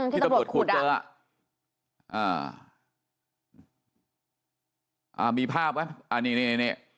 ที่ตำรวจขุดอ่ะที่ตำรวจขุดเจออ่ามีภาพไหมอันนี้อันนี้